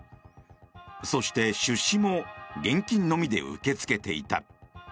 そして、出資も現金のみで受け付けていた。